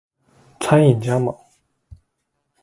餐饮加盟